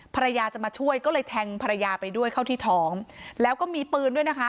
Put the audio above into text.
ภรรยาจะมาช่วยก็เลยแทงภรรยาไปด้วยเข้าที่ท้องแล้วก็มีปืนด้วยนะคะ